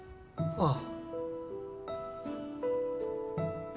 ああ。